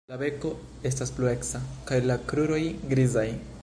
La beko estas blueca kaj la kruroj grizaj.